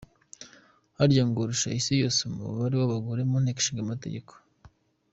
Harya ngo urusha isi yose umubare w’abagore mu nteko Nshingategeko?